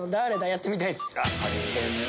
やってみたいっす。